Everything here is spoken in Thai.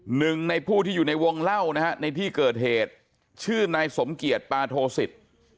หนึ่งในผู้ที่อยู่ในวงเล่านะฮะในที่เกิดเหตุชื่อนายสมเกียจปาโทสิต